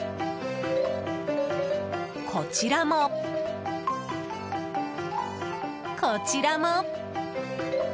こちらも、こちらも。